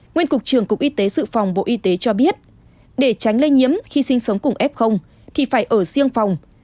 nguyên cục trưởng cục y tế dự phòng bộ y tế cho biết để tránh lây nhiễm khi sinh sống cùng f thì phải ở riêng phòng